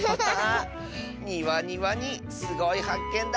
ニワにワニすごいはっけんだ！